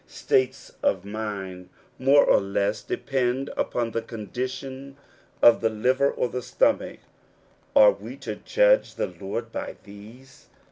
States of mind more or less depend upon the condition of the liver or the stomach; are we to judge the Lord by these